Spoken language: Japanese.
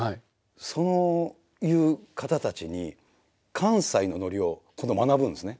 そういう方たちに関西のノリを今度学ぶんですね。